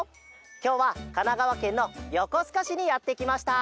きょうはかながわけんのよこすかしにやってきました！